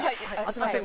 すみません。